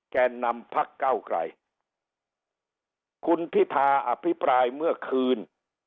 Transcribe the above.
แก่นำพักเก้าไกรคุณพิธาอภิปรายเมื่อคืน